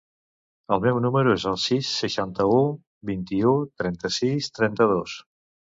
El meu número es el sis, seixanta-u, vint-i-u, trenta-sis, trenta-dos.